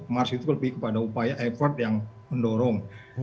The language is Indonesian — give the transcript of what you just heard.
mars itu lebih kepada upaya effort yang mendorong